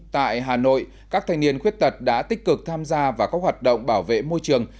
tại hà nội các thanh niên khuyết tật đã tích cực tham gia vào các hoạt động bảo vệ môi trường